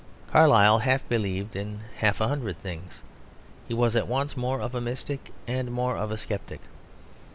Carlyle half believed in half a hundred things; he was at once more of a mystic and more of a sceptic.